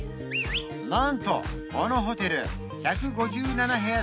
なんとこのホテル１５７部屋